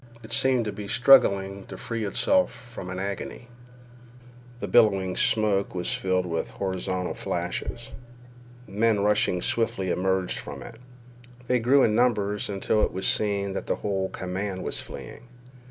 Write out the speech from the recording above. It seemed to be struggling to free itself from an agony. The billowing smoke was filled with horizontal flashes. Men rushing swiftly emerged from it. They grew in numbers until it was seen that the whole command was fleeing.